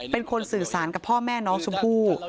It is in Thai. เป็นคนสื่อสารกับพ่อแม่น้องชมพู่